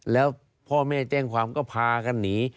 แล้วพ่อแม่แจ้งความก็พากันหนี